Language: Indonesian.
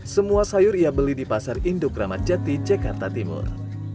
semua sayur ia beli di pasar indokramaceti cekarta timur